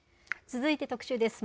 続いて特集です。